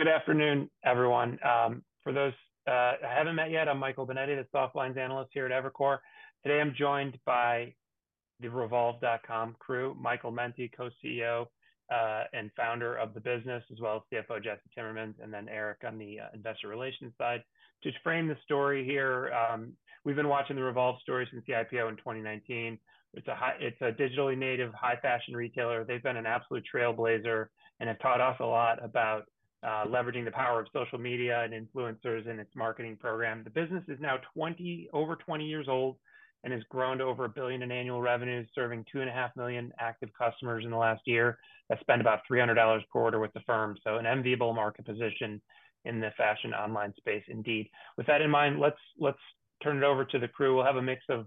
Good afternoon, everyone. For those who haven't met yet, I'm Michael Binetti, the softlines analyst here at Evercore. Today, I'm joined by the Revolve.com crew: Michael Mente, co-CEO and founder of the business, as well as CFO Jesse Timmermans, and then Erik on the investor relations side. To frame the story here, we've been watching the Revolve story since the IPO in 2019. It's a digitally native, high-fashion retailer. They've been an absolute trailblazer and have taught us a lot about leveraging the power of social media and influencers in its marketing program. The business is now over 20 years old and has grown to over $1 billion in annual revenue, serving 2.5 million active customers in the last year. They spend about $300 per order with the firm, so an enviable market position in the fashion online space indeed. With that in mind, let's turn it over to the crew. We'll have a mix of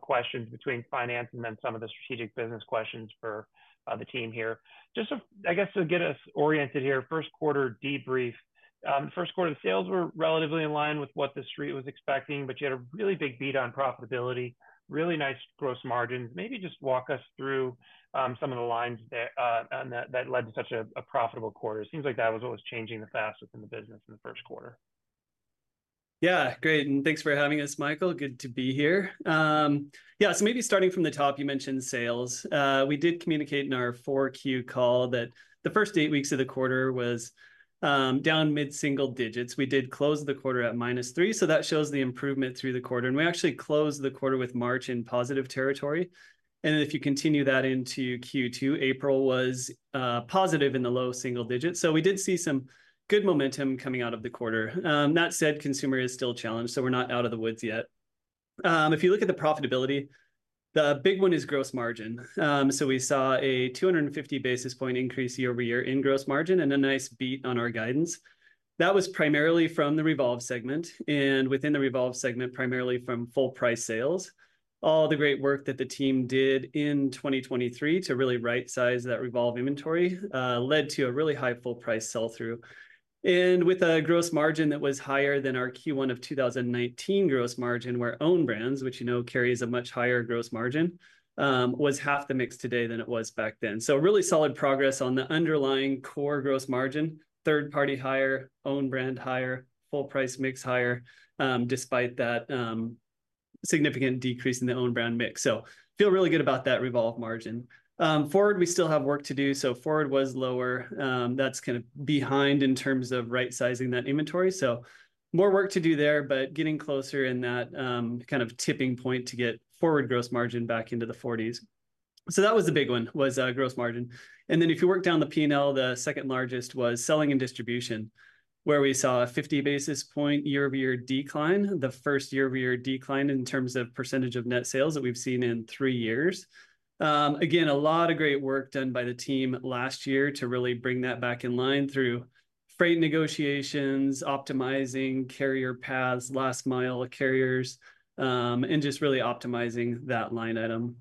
questions between finance and then some of the strategic business questions for the team here. Just, I guess, to get us oriented here, first quarter debrief. First quarter, the sales were relatively in line with what the Street was expecting, but you had a really big beat on profitability, really nice gross margins. Maybe just walk us through some of the lines that led to such a profitable quarter. It seems like that was what was changing the fastest in the business in the first quarter. Yeah, great. And thanks for having us, Michael. Good to be here. Yeah, so maybe starting from the top, you mentioned sales. We did communicate in our Q4 call that the first eight weeks of the quarter was down mid-single digits. We did close the quarter at -3, so that shows the improvement through the quarter. And we actually closed the quarter with March in positive territory. And if you continue that into Q2, April was positive in the low single digits. So we did see some good momentum coming out of the quarter. That said, consumer is still a challenge, so we're not out of the woods yet. If you look at the profitability, the big one is gross margin. So we saw a 250 basis point increase year-over-year in gross margin and a nice beat on our guidance. That was primarily from the Revolve segment and within the Revolve segment, primarily from full price sales. All the great work that the team did in 2023 to really right-size that Revolve inventory led to a really high full price sell-through. And with a gross margin that was higher than our Q1 of 2019 gross margin, where owned brands, which you know carries a much higher gross margin, was half the mix today than it was back then. So really solid progress on the underlying core gross margin, third-party higher, owned brand higher, full price mix higher, despite that significant decrease in the owned brand mix. So feel really good about that Revolve margin. FWRD, we still have work to do. So FWRD was lower. That's kind of behind in terms of right-sizing that inventory. So more work to do there, but getting closer in that kind of tipping point to get FWRD gross margin back into the 40s. So that was the big one, was gross margin. And then if you work down the P&L, the second largest was selling and distribution, where we saw a 50 basis point year-over-year decline, the first year-over-year decline in terms of percentage of net sales that we've seen in three years. Again, a lot of great work done by the team last year to really bring that back in line through freight negotiations, optimizing carrier paths, last-mile carriers, and just really optimizing that line item.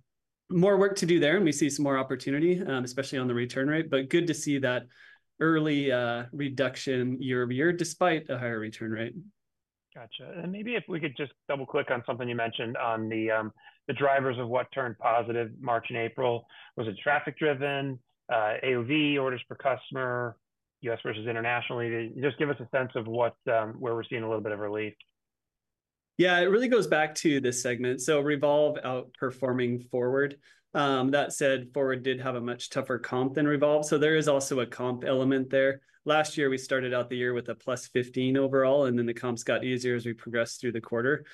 More work to do there, and we see some more opportunity, especially on the return rate, but good to see that early reduction year-over-year despite a higher return rate. Gotcha. And maybe if we could just double-click on something you mentioned on the drivers of what turned positive March and April. Was it traffic-driven, AOV, orders per customer, U.S. versus internationally? Just give us a sense of where we're seeing a little bit of relief. Yeah, it really goes back to this segment. So Revolve outperforming FWRD. That said, FWRD did have a much tougher comp than Revolve, so there is also a comp element there. Last year, we started out the year with a +15 overall, and then the comps got easier as we progressed through the quarter.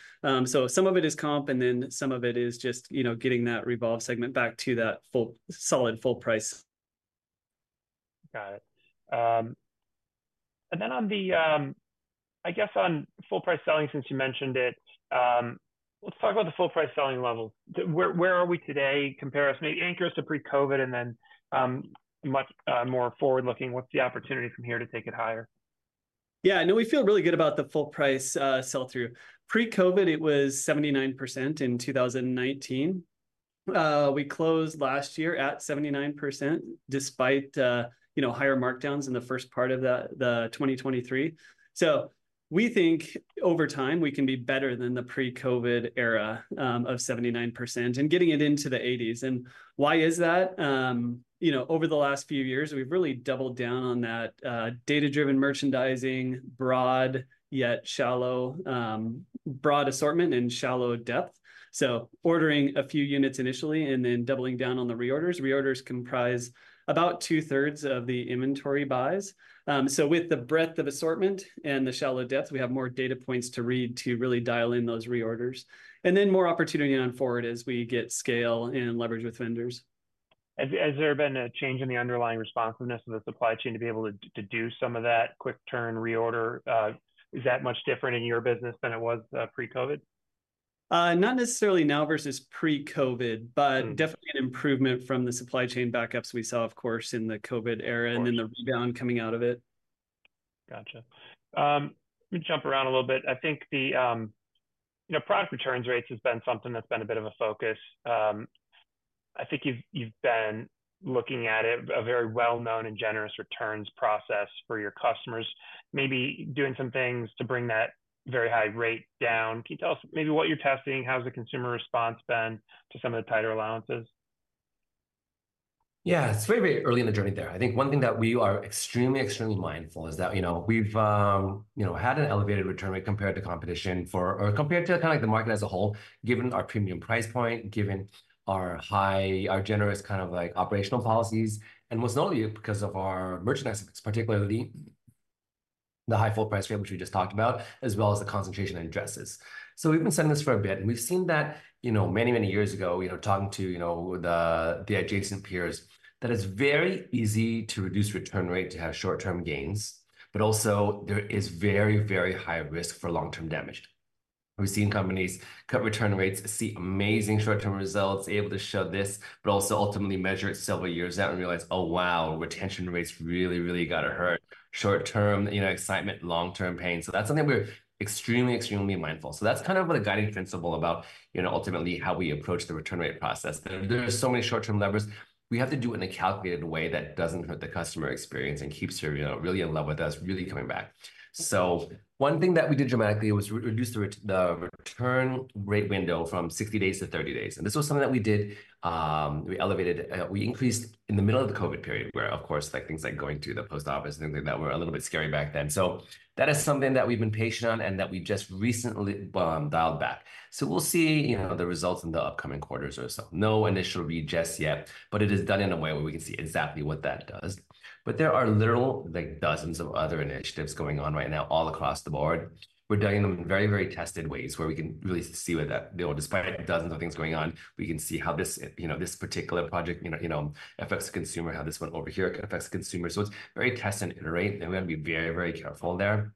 So some of it is comp, and then some of it is just getting that Revolve segment back to that solid full price. Got it. And then on the, I guess, on full price selling, since you mentioned it, let's talk about the full price selling level. Where are we today? Compare us, maybe anchor us to pre-COVID and then much more forward-looking. What's the opportunity from here to take it higher? Yeah, no, we feel really good about the full price sell-through. Pre-COVID, it was 79% in 2019. We closed last year at 79% despite higher markdowns in the first part of 2023. So we think over time we can be better than the pre-COVID era of 79% and getting it into the 80s. And why is that? Over the last few years, we've really doubled down on that data-driven merchandising, broad yet shallow, broad assortment and shallow depth. So ordering a few units initially and then doubling down on the reorders. Reorders comprise about 2/3 of the inventory buys. So with the breadth of assortment and the shallow depth, we have more data points to read to really dial in those reorders. And then more opportunity on FWRD as we get scale and leverage with vendors. Has there been a change in the underlying responsiveness of the supply chain to be able to do some of that quick turn reorder? Is that much different in your business than it was pre-COVID? Not necessarily now versus pre-COVID, but definitely an improvement from the supply chain backups we saw, of course, in the COVID era and then the rebound coming out of it. Gotcha. Let me jump around a little bit. I think the product return rates has been something that's been a bit of a focus. I think you've been looking at a very well-known and generous returns process for your customers, maybe doing some things to bring that very high rate down. Can you tell us maybe what you're testing? How's the consumer response been to some of the tighter allowances? Yeah, it's way, way early in the journey there. I think one thing that we are extremely, extremely mindful is that we've had an elevated return rate compared to competition or compared to kind of the market as a whole, given our premium price point, given our generous kind of operational policies, and most notably because of our merchandise effects, particularly the high full price rate, which we just talked about, as well as the concentration in dresses. So we've been saying this for a bit, and we've seen that many, many years ago, talking to the adjacent peers, that it's very easy to reduce return rate to have short-term gains, but also there is very, very high risk for long-term damage. We've seen companies cut return rates, see amazing short-term results, able to show this, but also ultimately measure it several years out and realize, "Oh, wow, retention rates really, really got to hurt." Short-term excitement, long-term pain. So that's something we're extremely, extremely mindful. So that's kind of the guiding principle about ultimately how we approach the return rate process. There are so many short-term levers. We have to do it in a calculated way that doesn't hurt the customer experience and keeps her really in love with us, really coming back. So one thing that we did dramatically was reduce the return rate window from 60 days to 30 days. And this was something that we did. We increased in the middle of the COVID period where, of course, things like going to the post office and things like that were a little bit scary back then. So that is something that we've been patient on and that we just recently dialed back. So we'll see the results in the upcoming quarters or so. No initial read just yet, but it is done in a way where we can see exactly what that does. But there are literal dozens of other initiatives going on right now all across the board. We're doing them in very, very tested ways where we can really see with that. Despite dozens of things going on, we can see how this particular project affects the consumer, how this one over here affects the consumer. So it's very test and iterate, and we have to be very, very careful there.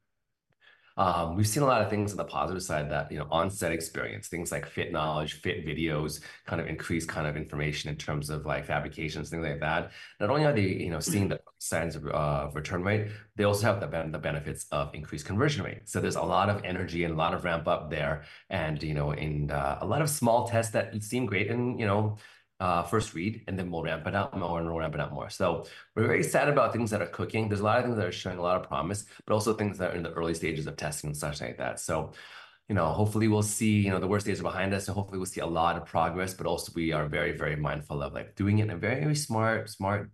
We've seen a lot of things on the positive side that on-site experience, things like fit knowledge, fit videos, kind of increased kind of information in terms of fabrications, things like that. Not only are they seeing the upside of return rate, they also have the benefits of increased conversion rate. So there's a lot of energy and a lot of ramp-up there and a lot of small tests that seem great and first read, and then we'll ramp it up and we'll ramp it up more. So we're very excited about things that are cooking. There's a lot of things that are showing a lot of promise, but also things that are in the early stages of testing and such like that. So hopefully we'll see the worst days are behind us, and hopefully we'll see a lot of progress, but also we are very, very mindful of doing it in a very smart,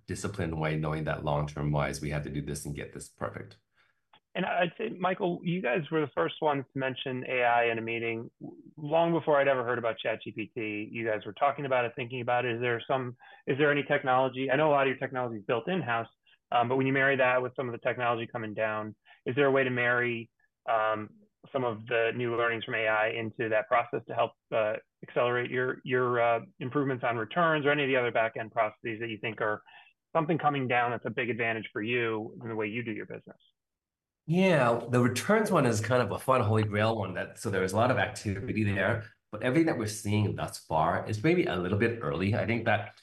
disciplined way, knowing that long-term wise, we have to do this and get this perfect. I'd say, Michael, you guys were the first ones to mention AI in a meeting long before I'd ever heard about ChatGPT. You guys were talking about it, thinking about it. Is there any technology? I know a lot of your technology is built in-house, but when you marry that with some of the technology coming down, is there a way to marry some of the new learnings from AI into that process to help accelerate your improvements on returns or any of the other back-end processes that you think are something coming down that's a big advantage for you in the way you do your business? Yeah, the returns one is kind of a fun holy grail one that, so there's a lot of activity there, but everything that we're seeing thus far is maybe a little bit early. I think that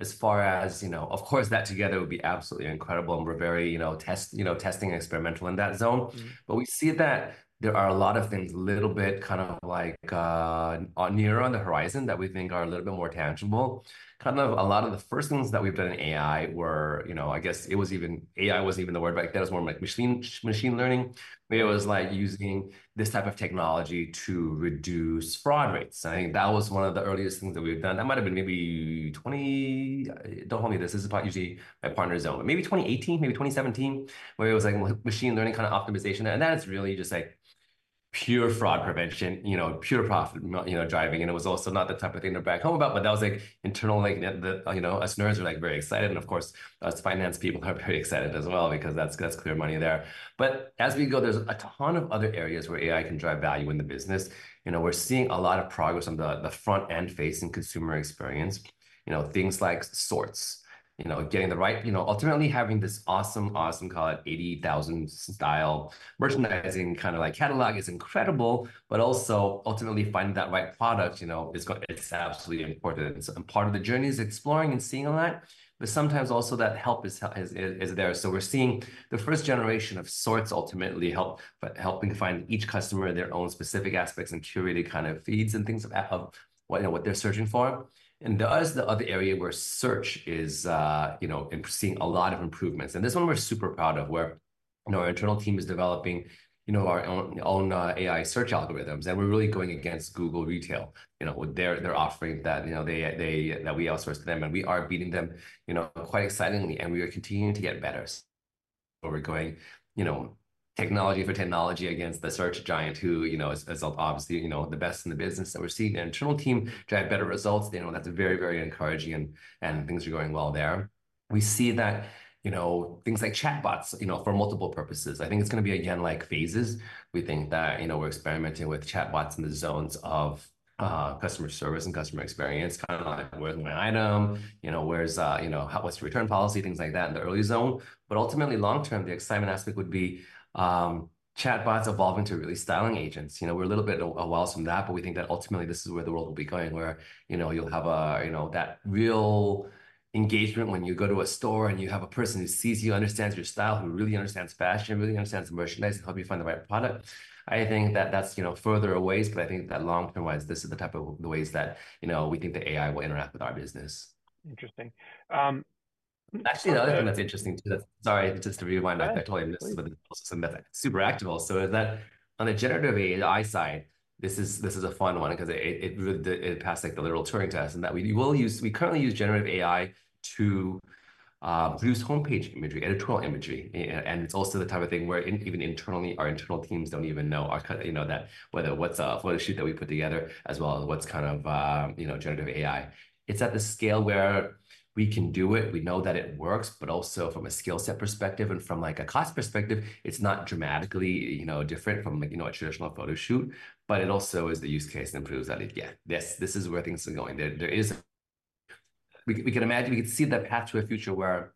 as far as, of course, that together would be absolutely incredible, and we're very testing and experimental in that zone. But we see that there are a lot of things a little bit kind of like near on the horizon that we think are a little bit more tangible. Kind of a lot of the first things that we've done in AI were, I guess, it was even AI wasn't even the word, but that was more like machine learning. It was like using this type of technology to reduce fraud rates. I think that was one of the earliest things that we've done. That might have been maybe 20, don't hold me to this. This is about usually my partner's zone, but maybe 2018, maybe 2017, where it was like machine learning kind of optimization. And that is really just like pure fraud prevention, pure profit driving. And it was also not the type of thing to brag home about, but that was like internal, us nerds were like very excited. And of course, us finance people are very excited as well because that's clear money there. But as we go, there's a ton of other areas where AI can drive value in the business. We're seeing a lot of progress on the front-end facing consumer experience. Things like sorts, getting the right, ultimately having this awesome, awesome, call it 80,000-style merchandising kind of like catalog is incredible, but also ultimately finding that right product is absolutely important. Part of the journey is exploring and seeing all that, but sometimes also that help is there. So we're seeing the first generation of sorts ultimately helping find each customer their own specific aspects and curated kind of feeds and things of what they're searching for. There is the other area where search is seeing a lot of improvements. This one we're super proud of where our internal team is developing our own AI search algorithms. We're really going against Google Retail. They're offering that we outsource to them, and we are beating them quite excitingly. We are continuing to get better. We're going technology for technology against the search giant who is obviously the best in the business that we're seeing. The internal team drive better results. That's very, very encouraging, and things are going well there. We see that things like chatbots for multiple purposes. I think it's going to be again like phases. We think that we're experimenting with chatbots in the zones of customer service and customer experience, kind of like where's my item?, what's the return policy?, things like that in the early zone. But ultimately, long-term, the excitement aspect would be chatbots evolving to really styling agents. We're a little bit a while from that, but we think that ultimately this is where the world will be going where you'll have that real engagement when you go to a store and you have a person who sees you, understands your style, who really understands fashion, really understands merchandise, and helps you find the right product. I think that that's further away, but I think that long-term wise, this is the type of the ways that we think the AI will interact with our business. Interesting. Actually, another thing that's interesting too, sorry, just to rewind, I totally missed it, but it's also something that's super active also, is that on the generative AI side, this is a fun one because it passed the literal Turing test and that we currently use generative AI to produce homepage imagery, editorial imagery. And it's also the type of thing where even internally, our internal teams don't even know whether what's a photo shoot that we put together as well as what's kind of generative AI. It's at the scale where we can do it. We know that it works, but also from a skill set perspective and from a cost perspective, it's not dramatically different from a traditional photo shoot, but it also is the use case and proves that it, yeah, this is where things are going. We can imagine we could see the path to a future where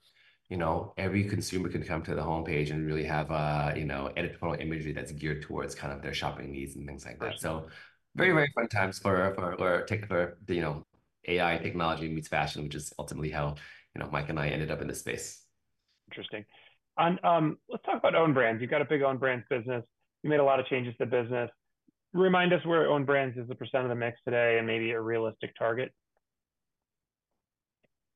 every consumer can come to the homepage and really have editorial imagery that's geared towards kind of their shopping needs and things like that. So very, very fun times for AI technology meets fashion, which is ultimately how Mike and I ended up in this space. Interesting. Let's talk about owned brands. You've got a big owned brands business. You made a lot of changes to business. Remind us where owned brands is the percent of the mix today and maybe a realistic target.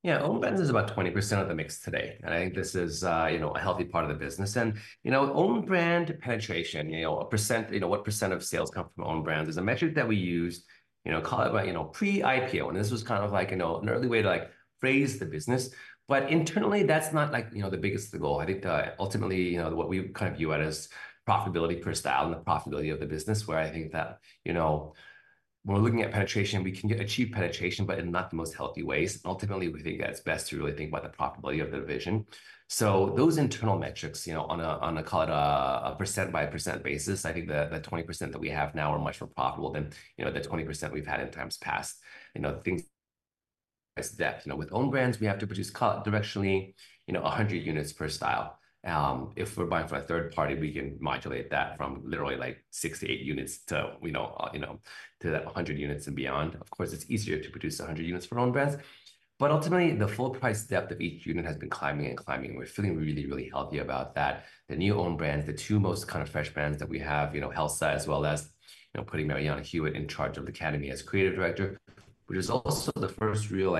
Yeah, owned brands is about 20% of the mix today. I think this is a healthy part of the business. owned brands penetration, what percent of sales come from owned brands is a metric that we used, call it pre-IPO. This was kind of like an early way to phrase the business. But internally, that's not the biggest of the goal. I think ultimately what we kind of view it as profitability per style and the profitability of the business, where I think that when we're looking at penetration, we can achieve penetration, but in not the most healthy ways. Ultimately, we think that it's best to really think about the profitability of the division. So those internal metrics on a, call it a percent-by-percent basis, I think the 20% that we have now are much more profitable than the 20% we've had in times past. Things like that. With owned brands, we have to produce directionally 100 units per style. If we're buying from a third party, we can modulate that from literally like 6-8 units to 100 units and beyond. Of course, it's easier to produce 100 units for owned brands. But ultimately, the full price depth of each unit has been climbing and climbing. We're feeling really, really healthy about that. The new owned brands, the two most kind of fresh brands that we have, Helsa as well as putting Marianna Hewitt in charge of L'Academie as Creative Director, which is also the first real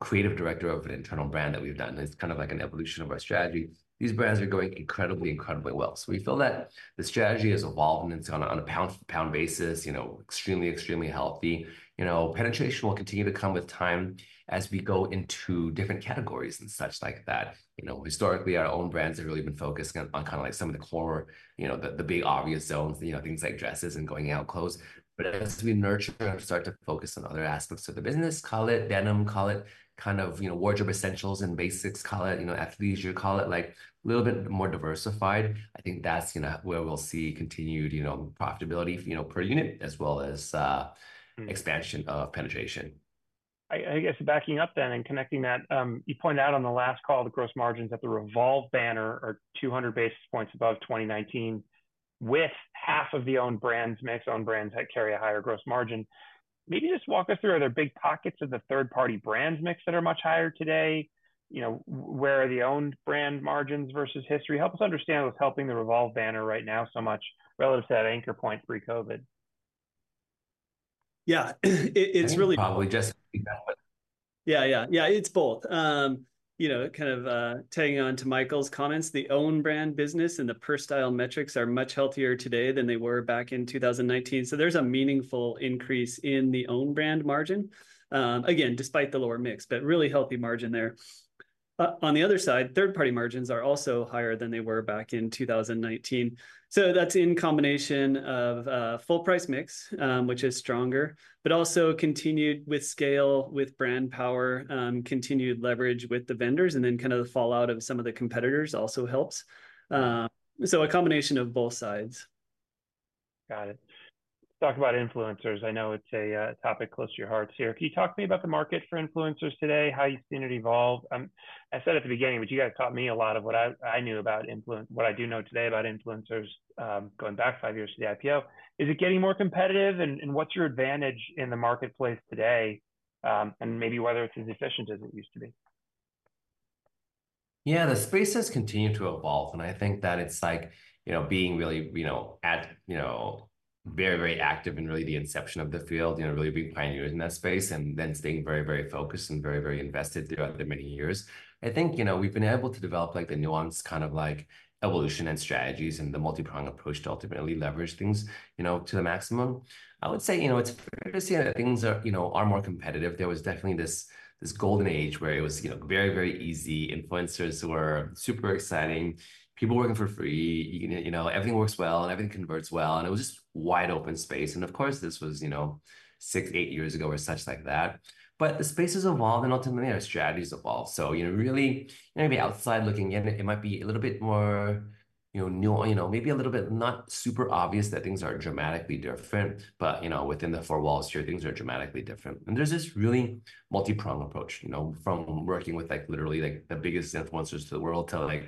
creative director of an internal brand that we've done. It's kind of like an evolution of our strategy. These brands are going incredibly, incredibly well. So we feel that the strategy has evolved and it's on a pound-for-pound basis, extremely, extremely healthy. Penetration will continue to come with time as we go into different categories and such like that. Historically, our owned brands have really been focused on kind of like some of the core, the big obvious zones, things like dresses and going out clothes. But as we nurture and start to focus on other aspects of the business, call it denim, call it kind of wardrobe essentials and basics, call it athleisure, call it a little bit more diversified, I think that's where we'll see continued profitability per unit as well as expansion of penetration. I guess backing up then and connecting that, you pointed out on the last call, the gross margins at the Revolve banner are 200 basis points above 2019 with half of the owned brands mix, owned brands that carry a higher gross margin. Maybe just walk us through, are there big pockets of the third-party brands mix that are much higher today? Where are the owned brand margins versus history? Help us understand what's helping the Revolve banner right now so much relative to that anchor point pre-COVID. Yeah, it's really. Yeah, yeah, yeah, it's both. Kind of tagging on to Michael's comments, the owned brand business and the per style metrics are much healthier today than they were back in 2019. So there's a meaningful increase in the owned brand margin, again, despite the lower mix, but really healthy margin there. On the other side, third-party margins are also higher than they were back in 2019. So that's in combination of full price mix, which is stronger, but also continued with scale with brand power, continued leverage with the vendors, and then kind of the fallout of some of the competitors also helps. So a combination of both sides. Got it. Talk about influencers. I know it's a topic close to your hearts here. Can you talk to me about the market for influencers today, how you've seen it evolve?I said at the beginning, but you guys taught me a lot of what I knew about, what I do know today about influencers going back five years to the IPO. Is it getting more competitive? And what's your advantage in the marketplace today? And maybe whether it's as efficient as it used to be. Yeah, the space has continued to evolve. I think that it's like being really very, very active in really the inception of the field, really being pioneers in that space, and then staying very, very focused and very, very invested throughout the many years. I think we've been able to develop the nuanced kind of evolution and strategies and the multi-prong approach to ultimately leverage things to the maximum. I would say it's fair to say that things are more competitive. There was definitely this golden age where it was very, very easy. Influencers were super exciting. People working for free. Everything works well and everything converts well. It was just wide open space. And of course, this was 6, 8 years ago or such like that. But the spaces evolved and ultimately our strategies evolved. Really, maybe outside looking, it might be a little bit more new, maybe a little bit not super obvious that things are dramatically different, but within the four walls here, things are dramatically different. There's this really multi-prong approach from working with literally the biggest influencers to the world to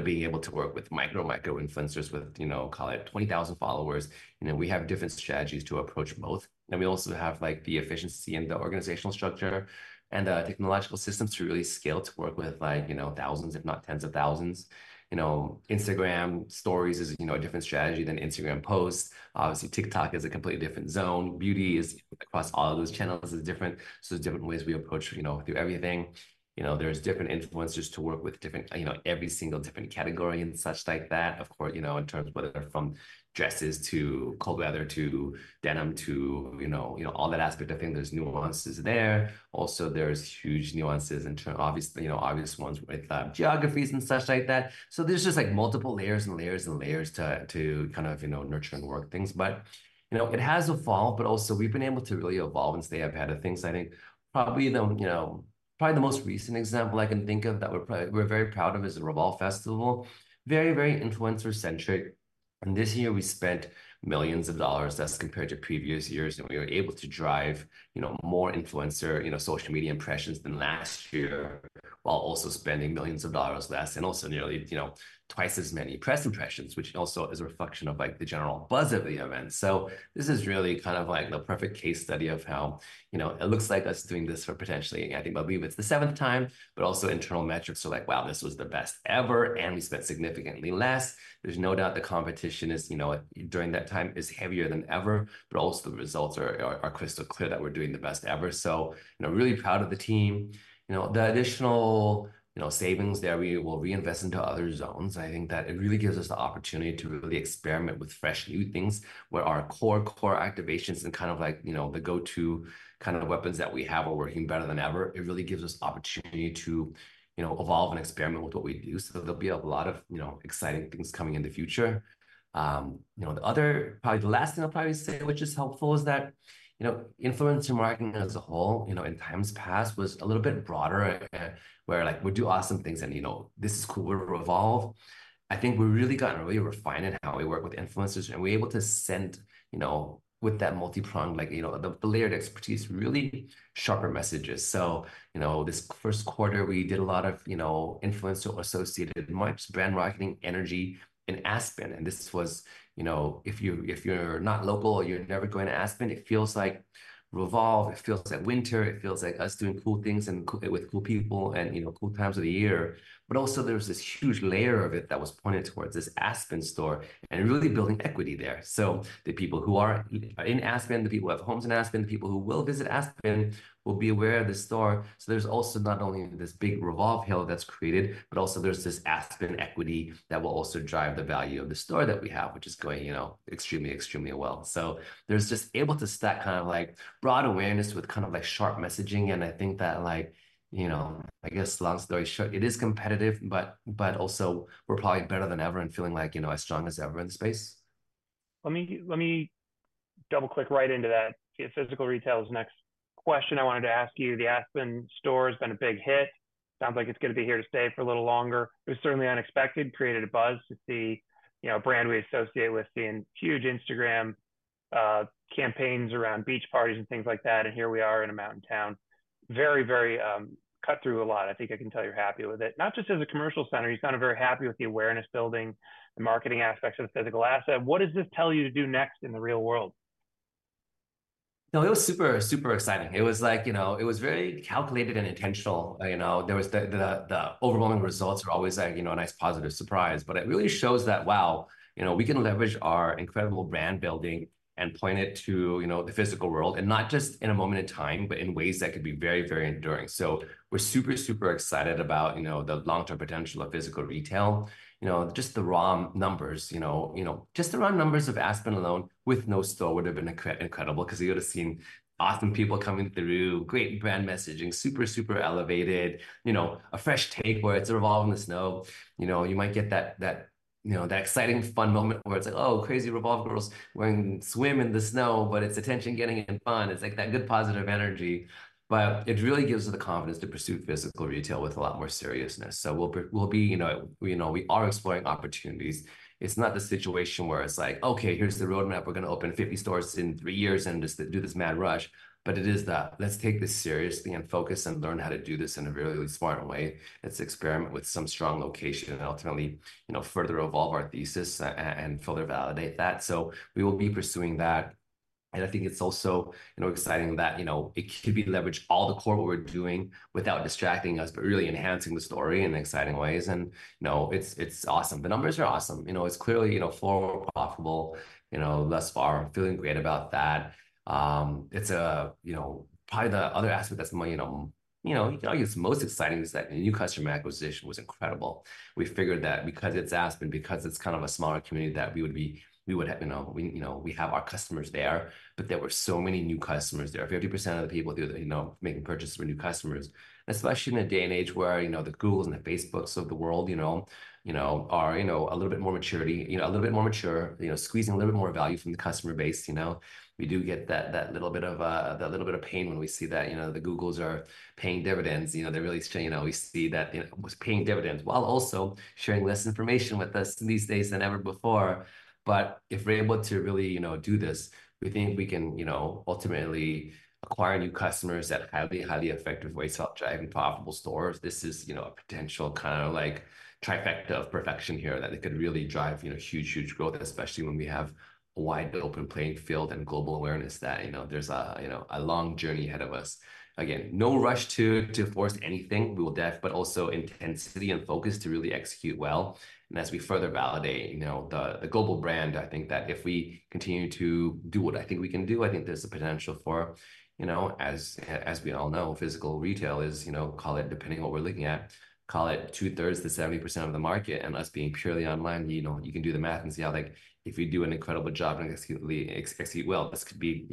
being able to work with micro, micro influencers with, call it 20,000 followers. We have different strategies to approach both. We also have the efficiency and the organizational structure and the technological systems to really scale to work with thousands, if not tens of thousands. Instagram Stories is a different strategy than Instagram posts. Obviously, TikTok is a completely different zone. Beauty, across all of those channels, is different. There's different ways we approach through everything. There's different influencers to work with every single different category and such like that. Of course, in terms of whether from dresses to cold weather to denim to all that aspect of things, there's nuances there. Also, there's huge nuances and obvious ones with geographies and such like that. So there's just multiple layers and layers and layers to kind of nurture and work things. But it has evolved, but also we've been able to really evolve and stay ahead of things. I think probably the most recent example I can think of that we're very proud of is the Revolve Festival. Very, very influencer-centric. And this year, we spent millions of dollars as compared to previous years. And we were able to drive more influencer social media impressions than last year while also spending millions of dollars less and also nearly twice as many press impressions, which also is a reflection of the general buzz of the event. So this is really kind of like the perfect case study of how it looks like us doing this for potentially, I think, I believe it's the seventh time, but also internal metrics are like, wow, this was the best ever, and we spent significantly less. There's no doubt the competition during that time is heavier than ever, but also the results are crystal clear that we're doing the best ever. So really proud of the team. The additional savings there, we will reinvest into other zones. I think that it really gives us the opportunity to really experiment with fresh new things where our core, core activations and kind of like the go-to kind of weapons that we have are working better than ever. It really gives us the opportunity to evolve and experiment with what we do. There'll be a lot of exciting things coming in the future. The other probably the last thing I'll probably say, which is helpful, is that influencer marketing as a whole in times past was a little bit broader where we do awesome things and this is cool, we'll Revolve. I think we really got really refined in how we work with influencers and we're able to send with that multi-prong, the layered expertise, really sharper messages. This first quarter, we did a lot of influencer-associated brand marketing energy in Aspen. This was if you're not local or you're never going to Aspen, it feels like Revolve, it feels like winter, it feels like us doing cool things with cool people and cool times of the year. Also there's this huge layer of it that was pointed towards this Aspen store and really building equity there. So the people who are in Aspen, the people who have homes in Aspen, the people who will visit Aspen will be aware of the store. So there's also not only this big Revolve halo that's created, but also there's this Aspen equity that will also drive the value of the store that we have, which is going extremely, extremely well. So there's just able to stack kind of broad awareness with kind of sharp messaging. And I think that, I guess, long story short, it is competitive, but also we're probably better than ever and feeling as strong as ever in the space. Let me double-click right into that. Physical retail is the next question I wanted to ask you. The Aspen store has been a big hit. Sounds like it's going to be here to stay for a little longer. It was certainly unexpected, created a buzz to see a brand we associate with seeing huge Instagram campaigns around beach parties and things like that. Here we are in a mountain town. Very, very cut through a lot. I think I can tell you're happy with it. Not just as a commercial center. You sounded very happy with the awareness building, the marketing aspects of the physical asset. What does this tell you to do next in the real world? No, it was super, super exciting. It was very calculated and intentional. The overwhelming results are always a nice positive surprise, but it really shows that, wow, we can leverage our incredible brand building and point it to the physical world and not just in a moment in time, but in ways that could be very, very enduring. So we're super, super excited about the long-term potential of physical retail. Just the raw numbers, just the raw numbers of Aspen alone with no store would have been incredible because you would have seen awesome people coming through, great brand messaging, super, super elevated, a fresh take where it's Revolve in the snow. You might get that exciting, fun moment where it's like, "Oh, crazy Revolve girls swim in the snow," but it's attention getting and fun. It's like that good positive energy. But it really gives us the confidence to pursue physical retail with a lot more seriousness. So we'll be, we are exploring opportunities. It's not the situation where it's like, "Okay, here's the roadmap. We're going to open 50 stores in three years and just do this mad rush." But it is the, "Let's take this seriously and focus and learn how to do this in a really smart way. Let's experiment with some strong location and ultimately further evolve our thesis and further validate that." So we will be pursuing that. And I think it's also exciting that it could be leveraged all the core what we're doing without distracting us, but really enhancing the story in exciting ways. And it's awesome. The numbers are awesome. It's clearly more profitable thus far. I'm feeling great about that. It's probably the other aspect that's most exciting is that new customer acquisition was incredible. We figured that because it's Aspen, because it's kind of a smaller community that we would have our customers there, but there were so many new customers there. 50% of the people making purchases were new customers, especially in a day and age where the Googles and the Facebooks of the world are a little bit more maturity, a little bit more mature, squeezing a little bit more value from the customer base. We do get that little bit of pain when we see that the Googles are paying dividends. They really say we see that it was paying dividends while also sharing less information with us these days than ever before. But if we're able to really do this, we think we can ultimately acquire new customers at highly, highly effective rates while driving profitable stores. This is a potential kind of trifecta of perfection here that it could really drive huge, huge growth, especially when we have a wide open playing field and global awareness that there's a long journey ahead of us. Again, no rush to force anything. We will definitely, but also intensity and focus to really execute well. And as we further validate the global brand, I think that if we continue to do what I think we can do, I think there's a potential for, as we all know, physical retail is, call it, depending on what we're looking at, call it 2/3 to 70% of the market and us being purely online. You can do the math and see how if you do an incredible job and execute well, this could be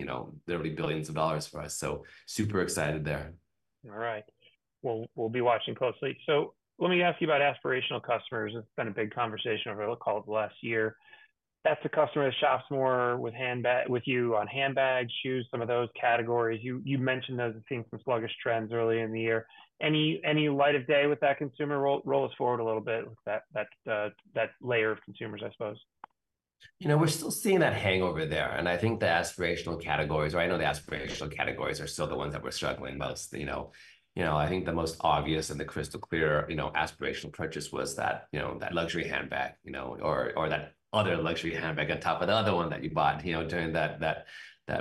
literally billions of dollars for us. Super excited there. All right. Well, we'll be watching closely. So let me ask you about aspirational customers. It's been a big conversation over the last year. That's a customer that shops more with you on handbags, shoes, some of those categories. You mentioned those as seeing some sluggish trends early in the year. Any light of day with that consumer? Roll us forward a little bit with that layer of consumers, I suppose. We're still seeing that hangover there. And I think the aspirational categories, right? I know the aspirational categories are still the ones that we're struggling most. I think the most obvious and the crystal clear aspirational purchase was that luxury handbag or that other luxury handbag on top of the other one that you bought during that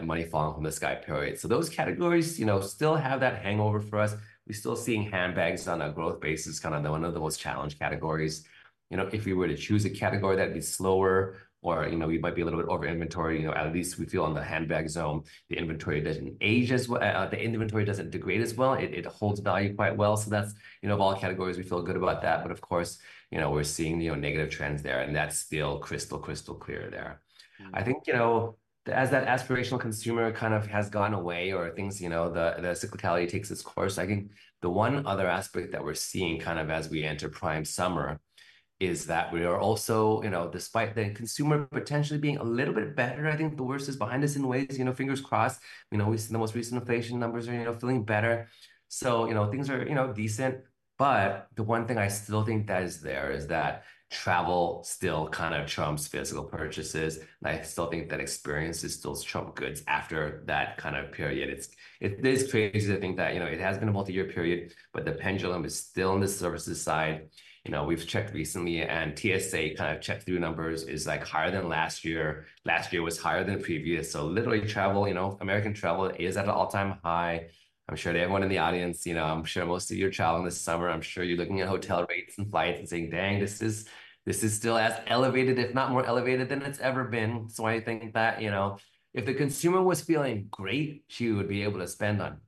money falling from the sky period. So those categories still have that hangover for us. We're still seeing handbags on a growth basis, kind of one of the most challenged categories. If we were to choose a category that'd be slower or we might be a little bit over inventory, at least we feel on the handbag zone, the inventory doesn't age as well. The inventory doesn't degrade as well. It holds value quite well. So that's of all categories, we feel good about that. But of course, we're seeing negative trends there. That's still crystal, crystal clear there. I think as that aspirational consumer kind of has gone away or things, the cyclicality takes its course. I think the one other aspect that we're seeing kind of as we enter prime summer is that we are also, despite the consumer potentially being a little bit better, I think the worst is behind us in ways. Fingers crossed. We see the most recent inflation numbers are feeling better. So things are decent. But the one thing I still think that is there is that travel still kind of trumps physical purchases. And I still think that experience is still trump goods after that kind of period. It is crazy to think that it has been a multi-year period, but the pendulum is still on the services side. We've checked recently and TSA checkpoint numbers is higher than last year. Last year was higher than previous. So literally travel, American travel is at an all-time high. I'm sure everyone in the audience, I'm sure most of you are traveling this summer. I'm sure you're looking at hotel rates and flights and saying, "Dang, this is still as elevated, if not more elevated than it's ever been." So I think that if the consumer was feeling great, she would be able to spend on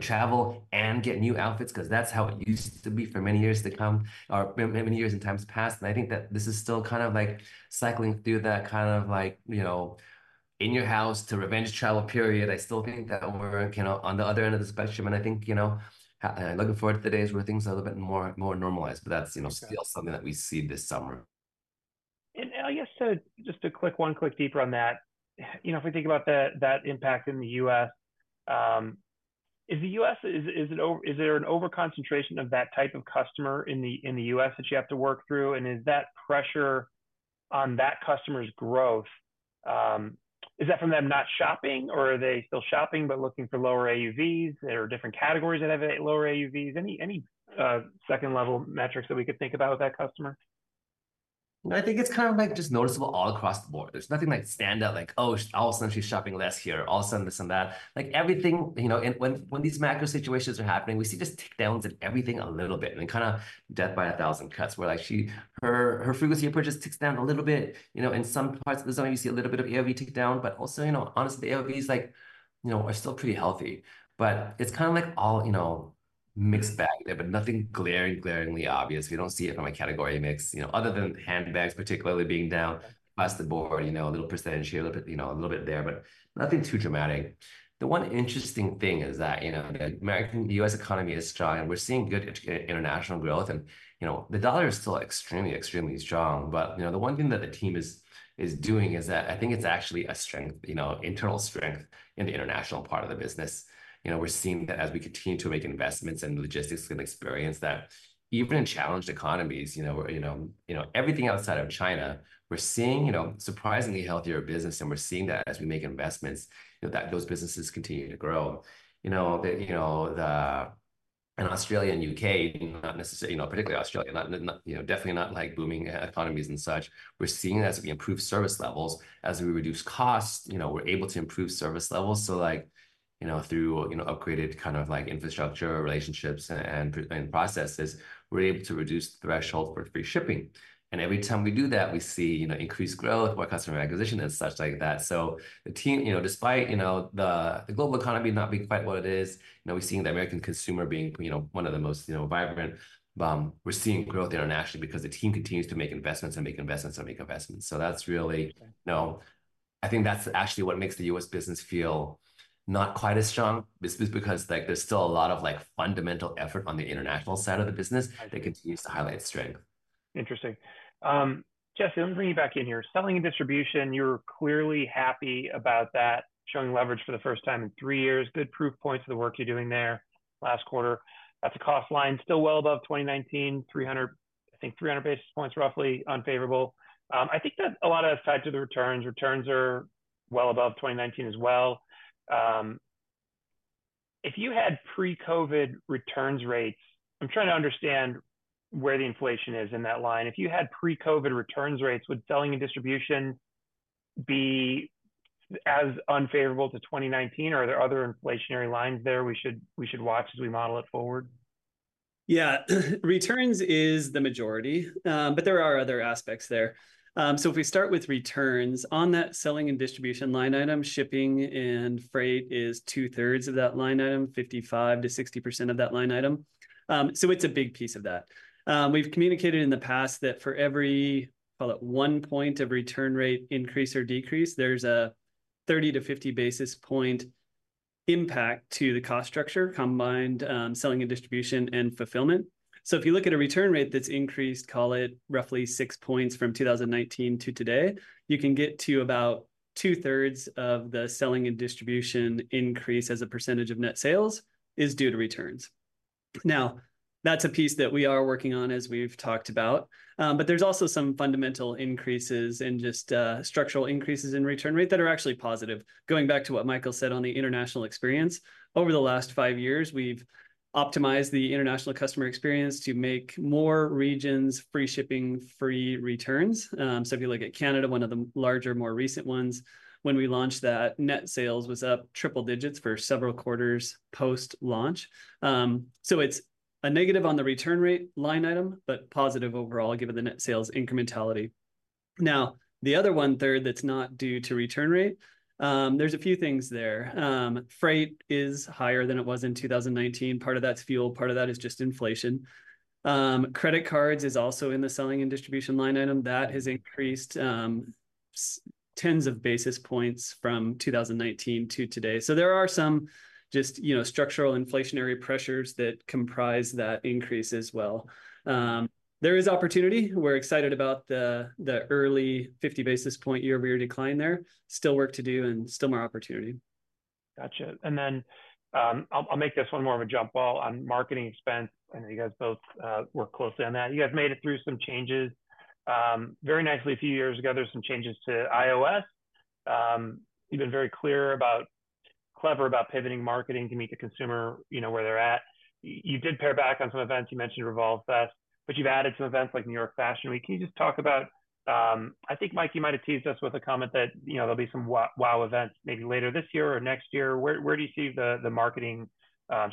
travel and get new outfits because that's how it used to be for many years to come or many years in times past. And I think that this is still kind of cycling through that kind of in-your-house-to-revenge travel period. I still think that we're on the other end of the spectrum. And I think looking forward to the days where things are a little bit more normalized, but that's still something that we see this summer. I guess just to click one click deeper on that, if we think about that impact in the U.S., is there an overconcentration of that type of customer in the US that you have to work through? And is that pressure on that customer's growth, is that from them not shopping or are they still shopping but looking for lower AOVs? There are different categories that have lower AOVs. Any second-level metrics that we could think about with that customer? I think it's kind of just noticeable all across the board. There's nothing like stand out like, "Oh, all of a sudden she's shopping less here. All of a sudden this and that." Everything, when these macro situations are happening, we see just takedowns in everything a little bit and kind of death by a thousand cuts where her frequency of purchase ticks down a little bit. In some parts of the zone, you see a little bit of AOV tick down, but also honestly, the AOVs are still pretty healthy. But it's kind of like all mixed bag there, but nothing glaring, glaringly obvious. We don't see it from a category mix other than handbags particularly being down across the board, a little percentage here, a little bit there, but nothing too dramatic. The one interesting thing is that the U.S. economy is strong and we're seeing good international growth. The U.S. dollar is still extremely, extremely strong. The one thing that the team is doing is that I think it's actually a strength, internal strength in the international part of the business. We're seeing that as we continue to make investments and logistics and experience that even in challenged economies, everything outside of China, we're seeing surprisingly healthier business. We're seeing that as we make investments, that those businesses continue to grow. In Australia and U.K., not necessarily particularly Australia, definitely not booming economies and such, we're seeing as we improve service levels, as we reduce costs, we're able to improve service levels. Through upgraded kind of infrastructure relationships and processes, we're able to reduce thresholds for free shipping. And every time we do that, we see increased growth, more customer acquisition and such like that. So the team, despite the global economy not being quite what it is, we're seeing the American consumer being one of the most vibrant. We're seeing growth internationally because the team continues to make investments and make investments and make investments. So that's really, I think that's actually what makes the U.S. business feel not quite as strong. This is because there's still a lot of fundamental effort on the international side of the business that continues to highlight strength. Interesting. Jesse, let me bring you back in here. Selling and distribution, you're clearly happy about that, showing leverage for the first time in three years. Good proof points of the work you're doing there. Last quarter, that's a cost line still well above 2019, I think 300 basis points roughly unfavorable. I think that a lot of tied to the returns. Returns are well above 2019 as well. If you had pre-COVID returns rates, I'm trying to understand where the inflation is in that line. If you had pre-COVID returns rates, would selling and distribution be as unfavorable to 2019? Or are there other inflationary lines there we should watch as we model it forward? Yeah, returns is the majority, but there are other aspects there. So if we start with returns on that selling and distribution line item, shipping and freight is two-thirds of that line item, 55%-60% of that line item. So it's a big piece of that. We've communicated in the past that for every, call it 1 point of return rate increase or decrease, there's a 30-50 basis point impact to the cost structure combined selling and distribution and fulfillment. So if you look at a return rate that's increased, call it roughly 6 points from 2019 to today, you can get to about two-thirds of the selling and distribution increase as a percentage of net sales is due to returns. Now, that's a piece that we are working on as we've talked about. But there's also some fundamental increases and just structural increases in return rate that are actually positive. Going back to what Michael said on the international experience, over the last 5 years, we've optimized the international customer experience to make more regions free shipping, free returns. So if you look at Canada, one of the larger, more recent ones, when we launched that, net sales was up triple digits for several quarters post-launch. So it's a negative on the return rate line item, but positive overall given the net sales incrementality. Now, the other one-third that's not due to return rate, there's a few things there. Freight is higher than it was in 2019. Part of that's fuel. Part of that is just inflation. Credit cards is also in the selling and distribution line item. That has increased tens of basis points from 2019 to today. There are some just structural inflationary pressures that comprise that increase as well. There is opportunity. We're excited about the early 50 basis point year-over-year decline there. Still work to do and still more opportunity. Gotcha. And then I'll make this one more of a jump ball on marketing expense. I know you guys both work closely on that. You guys made it through some changes very nicely a few years ago. There's some changes to iOS. You've been very clear about, clever about pivoting marketing to meet the consumer where they're at. You did pare back on some events. You mentioned Revolve Fest, but you've added some events like New York Fashion Week. Can you just talk about, I think Mikey might have teased us with a comment that there'll be some wow events maybe later this year or next year? Where do you see the marketing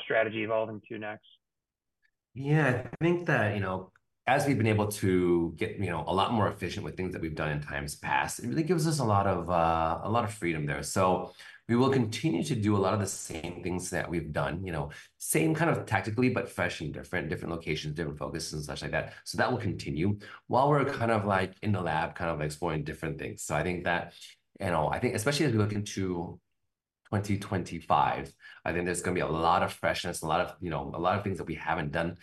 strategy evolving to next? Yeah, I think that as we've been able to get a lot more efficient with things that we've done in times past, it really gives us a lot of freedom there. So we will continue to do a lot of the same things that we've done, same kind of tactically, but fresh and different, different locations, different focus and such like that. So that will continue while we're kind of in the lab kind of exploring different things. So I think that, I think especially as we look into 2025, I think there's going to be a lot of freshness, a lot of things that we haven't done.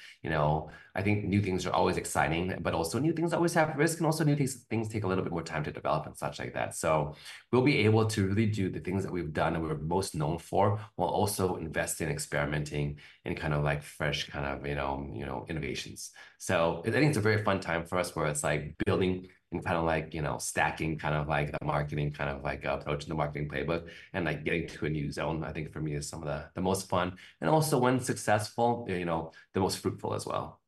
I think new things are always exciting, but also new things always have risk and also new things take a little bit more time to develop and such like that. So we'll be able to really do the things that we've done and we're most known for while also investing and experimenting in kind of fresh kind of innovations. So I think it's a very fun time for us where it's like building and kind of stacking kind of like a marketing kind of approach in the marketing playbook and getting to a new zone, I think for me is some of the most fun and also when successful, the most fruitful as well.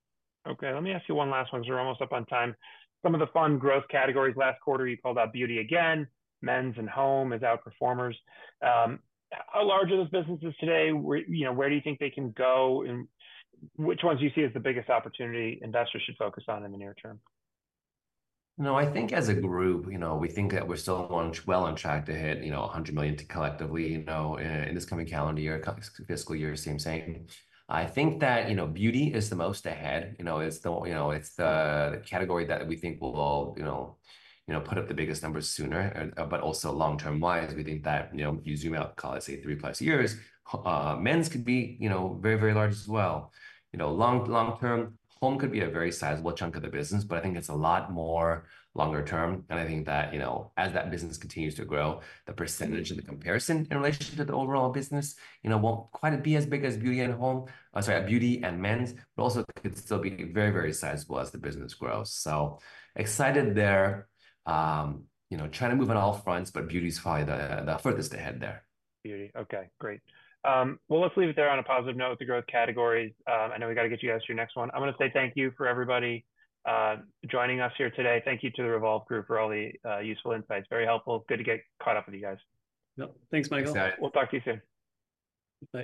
Okay. Let me ask you one last one because we're almost up on time. Some of the fun growth categories last quarter, you called out beauty again, men's and home as outperformers. How large are those businesses today? Where do you think they can go? Which ones do you see as the biggest opportunity investors should focus on in the near term? No, I think as a group, we think that we're still well on track to hit $100 million collectively in this coming calendar year, fiscal year, same same. I think that beauty is the most ahead. It's the category that we think will put up the biggest numbers sooner, but also long-term wise, we think that if you zoom out, call it say 3+ years, men's could be very, very large as well. Long-term, home could be a very sizable chunk of the business, but I think it's a lot more longer term. And I think that as that business continues to grow, the percentage of the comparison in relation to the overall business won't quite be as big as beauty and home, sorry, beauty and men's, but also could still be very, very sizable as the business grows. Excited there, trying to move on all fronts, but beauty is probably the furthest ahead there. Beauty. Okay, great. Well, let's leave it there on a positive note with the growth categories. I know we got to get you guys to your next one. I'm going to say thank you for everybody joining us here today. Thank you to the Revolve Group for all the useful insights. Very helpful. Good to get caught up with you guys. Thanks, Michael. We'll talk to you soon. Bye.